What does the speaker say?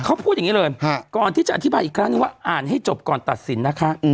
เขาพูดอย่างนี้เลยก่อนที่จะอธิบายอีกครั้งนึงว่าอ่านให้จบก่อนตัดสินนะคะ